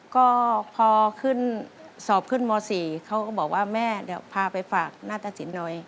ก็พอขึ้นสอบขึ้นม๔เขาก็บอกว่าแม่เดี๋ยวพาไปฝากหน้าตะสินหน่อย